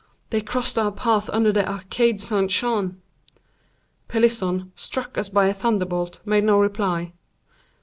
They crossed our path under the arcade Saint Jean." Pelisson, struck as by a thunderbolt, made no reply.